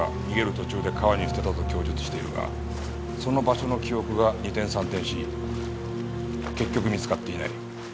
途中で川に捨てたと供述しているがその場所の記憶が二転三転し結局見つかっていない。